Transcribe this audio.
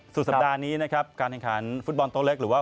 สุดสัปดาห์นี้นะครับการแข่งขันฟุตบอลโต๊เล็กหรือว่า